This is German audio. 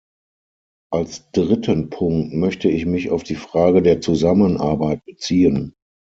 Als dritten Punkt möchte ich mich auf die Frage der Zusammenarbeit beziehen.